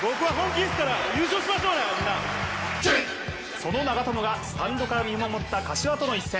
その長友がスタンドから見守った柏との一戦。